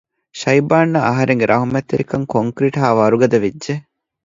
ޝައިބާން އާ އަހަރެން ގެ ރަހުމަތް ތެރިކަން ކޮންކްރިޓް ހާ ވަރުގަދަ ވެއްޖެ